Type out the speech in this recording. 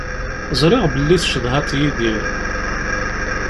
Ẓriɣ belli tcedhaḍ Yidir.